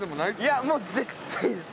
いやもう絶対です。